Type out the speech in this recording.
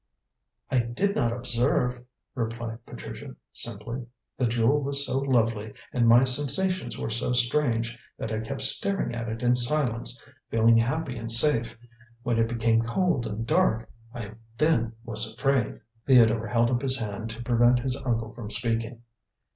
"I did not observe," replied Patricia simply. "The jewel was so lovely, and my sensations were so strange, that I kept staring at it in silence, feeling happy and safe. When it became cold and dark I then was afraid." Theodore held up his hand to prevent his uncle from speaking.